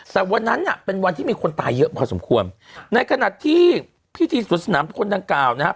แต่วันนั้นเนี่ยเป็นวันที่มีคนตายเยอะพอสมควรในขณะที่พิธีสวนสนามคนดังกล่าวนะครับ